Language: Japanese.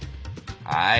はい。